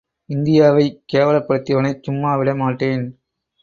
இந்தியாவை கேவலப்படுத்தியவனைச் சும்மாவிடமாட்டேன்.